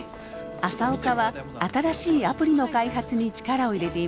朝岡は新しいアプリの開発に力を入れていました。